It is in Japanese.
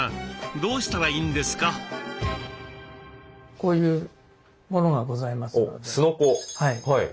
こういうものがございますので。